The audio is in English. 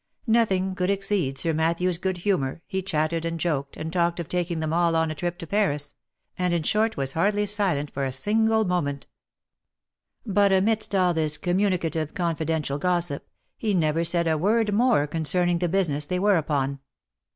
Nothing could exceed Sir Matthew's good humour, he chatted, and joked, and talked of taking them all on a trip to Paris, and in short was hardly silent for a single iroment. But amidst all this communicative confidential gossip, he never said a word more concerning the business they were upon.